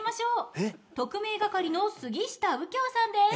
特命係の杉下右京さんです。